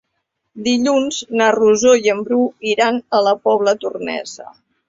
Dilluns na Rosó i en Bru iran a la Pobla Tornesa.